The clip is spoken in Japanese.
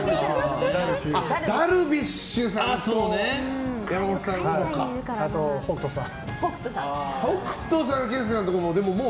ダルビッシュさんとあと、北斗さん。